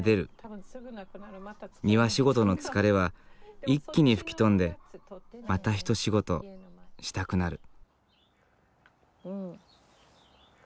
庭仕事の疲れは一気に吹き飛んでまた一仕事したくなる。